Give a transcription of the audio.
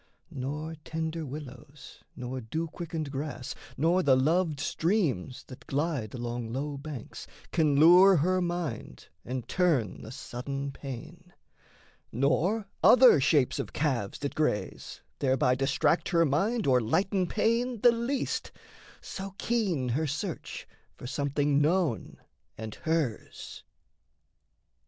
Nor tender willows, nor dew quickened grass, Nor the loved streams that glide along low banks, Can lure her mind and turn the sudden pain; Nor other shapes of calves that graze thereby Distract her mind or lighten pain the least So keen her search for something known and hers.